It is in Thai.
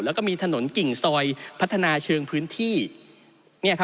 แล้วก็มีถนนกิ่งซอยพัฒนาเชิงพื้นที่เนี่ยครับ